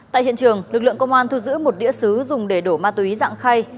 tại hiện trường lực lượng công an thu giữ một đĩa xứ dùng để đổ ma túy dạng khay